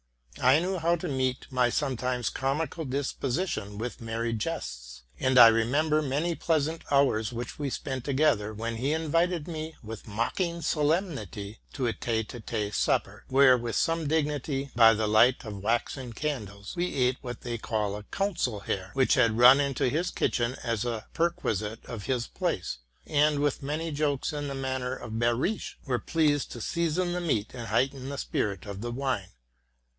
He knew how to meet my sometimes comical disposition with merry jests; and I remember many pleasant hours which we spent together when he invited me, with mock solemnity, to a téfe d téte supper, where, with some dignity, by the light of waxen candles, we ate what they call a council hare, which had run into his kitchen as a perquisite of his place, and, with many jokes in the manner of Behrisch, were pleased to season the meat and heighten the spirit of the wine.